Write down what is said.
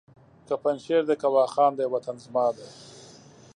که پنجشېر دی که واخان دی وطن زما دی!